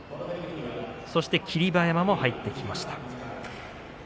そして霧馬山も入ってきました。